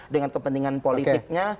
dengan kepentingan politiknya